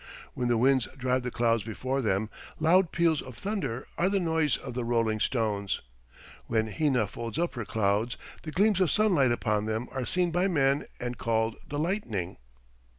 When the winds drive the clouds before them, loud peals of thunder are the noise of the rolling stones. When Hina folds up her clouds the gleams of sunlight upon them are seen by men and called the lightning.